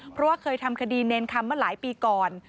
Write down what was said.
เพราะว่าเคยทำคดีเนรคำมาหลายปีก่อน